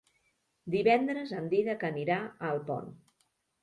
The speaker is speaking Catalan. Divendres en Dídac anirà a Alpont.